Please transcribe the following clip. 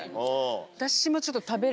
私もちょっと。